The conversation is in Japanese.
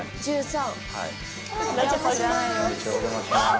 お邪魔しまーす。